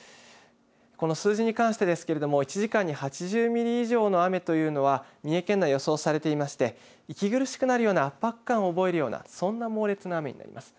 この数字に関してですけれども１時間に８０ミリ以上の雨というのは三重県では予想されていまして息苦しくなるような圧迫感を覚えるようなそんな雨になります。